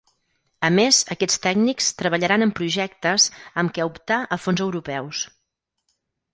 A més, aquests tècnics treballaran en projectes amb què optar a fons europeus.